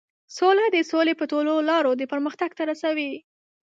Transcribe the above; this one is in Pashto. سوله د سولې په ټولو لارو د پرمختګ ته رسوي.